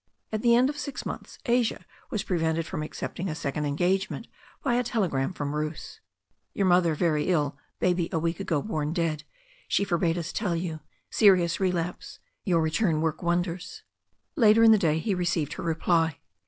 At the end of six months Asia was prevented from ac cepting a second engagement by a telegram from Bruce: "Your mother very ill baby a week ago born dead she forbade us tell you serious relapse your return work won ders." Later in the day he received her reply.